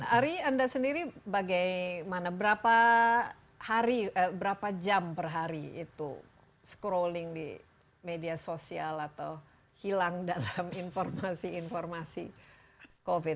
ari anda sendiri bagaimana berapa hari berapa jam per hari itu scrolling di media sosial atau hilang dalam informasi informasi covid